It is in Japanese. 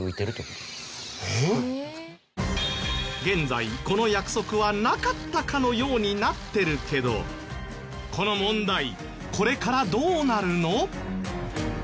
現在この約束はなかったかのようになってるけどこの問題これからどうなるの？